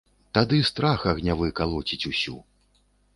Тады страх агнявы калоціць усю.